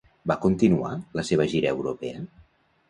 Va continuar la seva gira europea?